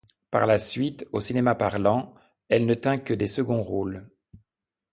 Par la suite, au cinéma parlant, elle ne tint que des seconds rôles.